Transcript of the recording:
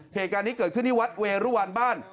เหตุการณ์นี้เกิดขึ้นที่วัดเวรุวันบ้าน